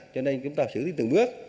cho nên chúng ta xử lý từng bước